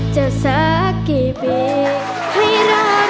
เจ้าสักทีเพียงหินร้อง